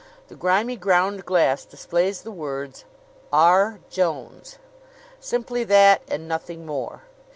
The grimy ground glass displays the words: R. JONES Simply that and nothing more.